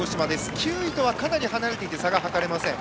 ９位とはかなり離れていて差が計れません。